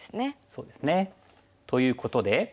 そうですね。ということで。